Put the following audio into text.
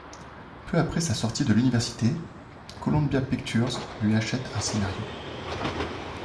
Peu après sa sortie de l'université, Columbia Pictures lui achète un scénario.